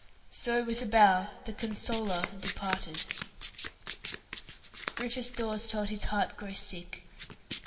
So, with a bow, the "consoler" departed. Rufus Dawes felt his heart grow sick.